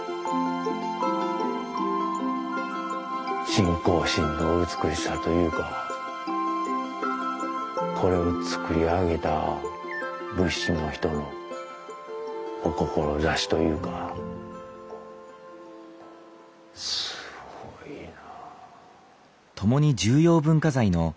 信仰心の美しさというかこれを作り上げた仏師の人のお志というかすごいな。